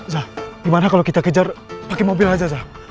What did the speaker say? za gimana kalau kita kejar pakai mobil aja za